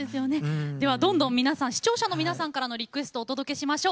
では、どんどん視聴者の皆さんからのリクエストをお届けしましょう。